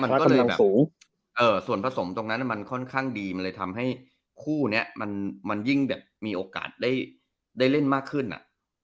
มันก็เลยแบบส่วนผสมตรงนั้นมันค่อนข้างดีมันเลยทำให้คู่นี้มันยิ่งแบบมีโอกาสได้เล่นมากขึ้น